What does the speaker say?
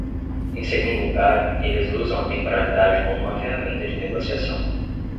Em segundo lugar, eles usam a temporalidade como uma ferramenta de negociação.